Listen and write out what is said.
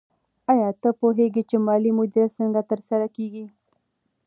آیا ته پوهېږې چې مالي مدیریت څنګه ترسره کېږي؟